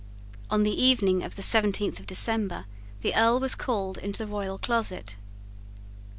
On the evening of the seventeenth of December the Earl was called into the royal closet.